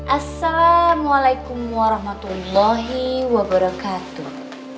assalamualaikum warahmatullahi wabarakatuh